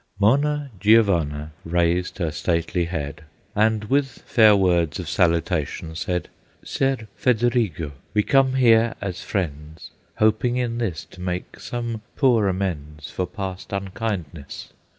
Monna Giovanna raised her stately head, And with fair words of salutation said: "Ser Federigo, we come here as friends, Hoping in this to make some poor amends For past unkindness.